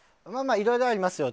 いろいろありますよ。